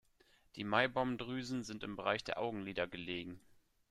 Die Meibom-Drüsen sind im Bereich der Augenlider gelegen.